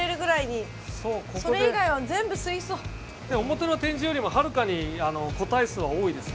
表の展示よりもはるかに個体数は多いですよ。